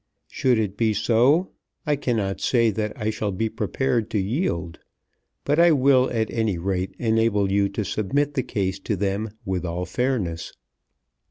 Should it be so I cannot say that I shall be prepared to yield; but I will, at any rate, enable you to submit the case to them with all fairness.